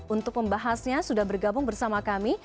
untuk pembahasnya sudah bergabung bersama kami